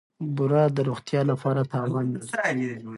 بوره د روغتیا لپاره تاوان لري.